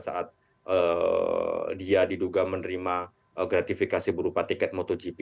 saat dia diduga menerima gratifikasi berupa tiket motogp